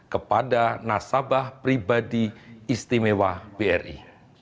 kepada nasabah pribadi istimewa bri